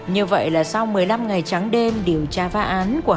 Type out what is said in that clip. như vậy là sau một mươi năm ngày trắng đêm điều tra phá án của hàng trăm người